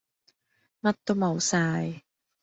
乜都冇曬